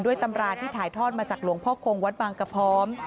ตำราที่ถ่ายทอดมาจากหลวงพ่อคงวัดบางกระพร้อม